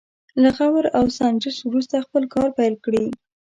له غور او سنجش وروسته خپل کار پيل کړي.